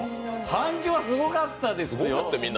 反響はすごかったですよ。